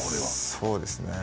そうですね